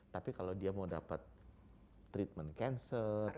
tapi kalau dia mau dapat treatment cancer treatment lain